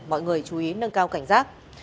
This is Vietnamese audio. mọi người chú ý nâng cao cảnh giác